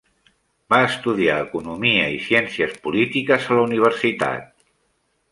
Va estudiar Economia i Ciències Polítiques a la universitat.